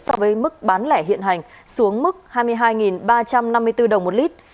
so với mức bán lẻ hiện hành xuống mức hai mươi hai ba trăm năm mươi bốn đồng một lít